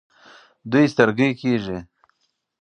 دوی سترګۍ کیږي.